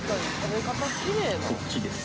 こっちです